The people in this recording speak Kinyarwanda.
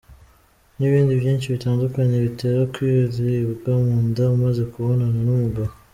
n’ibindi byinshi bitandukanye bitera kuribwa mu nda umaze kubonana n’umugabo.